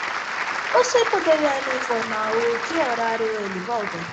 Você poderia me informar o horário que ela volta?